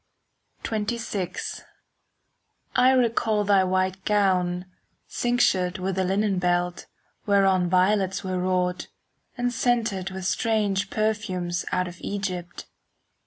XXVI I recall thy white gown, cinctured With a linen belt, whereon Violets were wrought, and scented With strange perfumes out of Egypt.